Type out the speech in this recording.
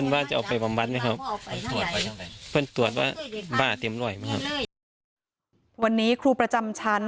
วันนี้ครูประจำชั้น